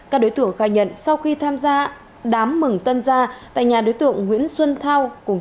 các đối tượng khai nhận sau khi tham gia đám mừng tân gia tại nhà đối tượng nguyễn xuân thao cùng